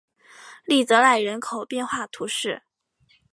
利泽赖人口变化图示